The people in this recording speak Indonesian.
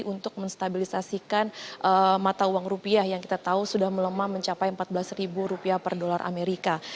untuk menstabilisasikan mata uang rupiah yang kita tahu sudah melemah mencapai empat belas rupiah per dolar amerika